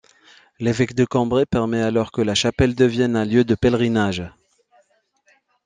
L’évêque de Cambrai permet alors que la chapelle devienne un lieu de pèlerinage.